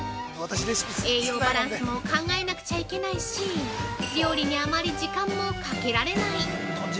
栄養バランスも考えなくちゃいけないし料理にあまり時間もかけられない。